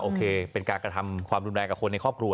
เป็นการกระทำความรุนแรงกับคนในครอบครัว